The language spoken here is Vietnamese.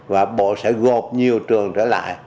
và bộ sẽ gộp nhiều trường trở lại